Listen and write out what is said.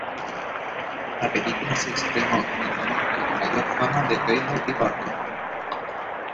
La película se estrenó en el momento de mayor fama de Taylor y Burton.